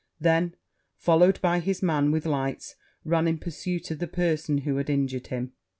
then, followed by his man with lights, ran in pursuit of the person who had injured him.